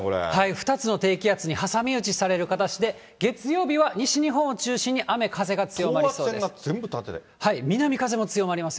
２つの低気圧に挟み撃ちされる形で、月曜日は西日本を中心に雨、風が強まります。